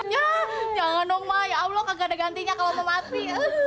ya jangan dong ma ya allah kagak ada gantinya kalo mau mati